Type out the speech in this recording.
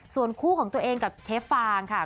ส่วนคู่ของตัวเองกับเชฟฟางค่ะ